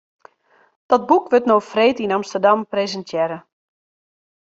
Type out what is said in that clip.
Dat boek wurdt no freed yn Amsterdam presintearre.